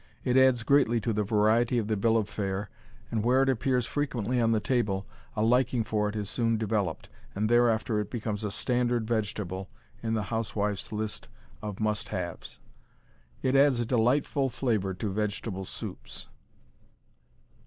It adds greatly to the variety of the bill of fare, and where it appears frequently on the table a liking for it is soon developed, and thereafter it becomes a standard vegetable in the housewife's list of "must haves." It adds a delightful flavor to vegetable soups.